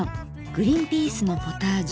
グリンピースのポタージュ。